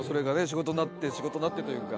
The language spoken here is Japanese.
仕事になって仕事になってというか。